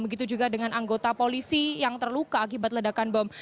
begitu juga dengan anggota polisi yang terluka akibat ledakan bom